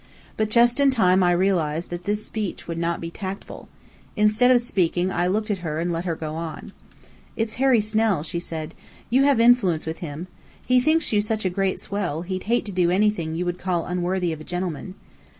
But just in time I realized that this speech would not be tactful. Instead of speaking, I looked at her and let her go on. "It's Harry Snell," she said. "You have influence with him. He thinks you such a great swell, he'd hate to do anything you would call unworthy of a gentleman.